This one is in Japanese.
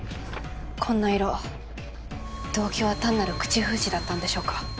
こんな色動機は単なる口封じだったんでしょうか？